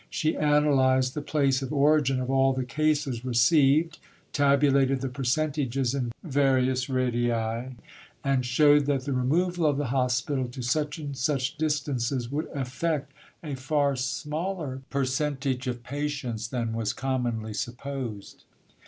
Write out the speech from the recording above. She analysed the place of origin of all the cases received; tabulated the percentages in various radii; and showed that the removal of the hospital to such and such distances would affect a far smaller percentage of patients than was commonly supposed.